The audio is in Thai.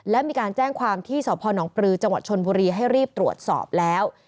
และมีการแจ้งความที่สพนปลือจังหวัดชนบุรีให้รีบตรวจสอบแล้ว